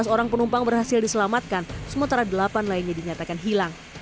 tujuh belas orang penumpang berhasil diselamatkan sementara delapan lainnya dinyatakan hilang